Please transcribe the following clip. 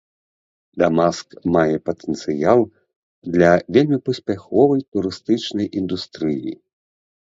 Дамаск мае патэнцыял для вельмі паспяховай турыстычнай індустрыі.